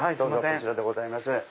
こちらでございます。